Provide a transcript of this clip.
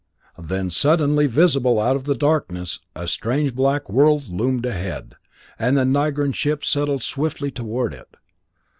Then, suddenly visible out of the darkness, a strange black world loomed ahead, and the Nigran ships settled swiftly toward it.